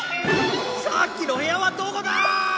さっきの部屋はどこだ！？